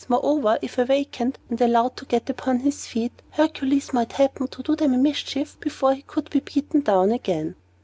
Moreover, if awakened, and allowed to get upon his feet, Hercules might happen to do them a mischief before he could be beaten down again.